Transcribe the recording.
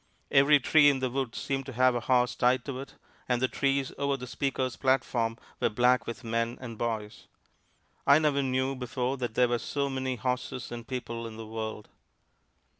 Every tree in the woods seemed to have a horse tied to it, and the trees over the speakers' platform were black with men and boys. I never knew before that there were so many horses and people in the world.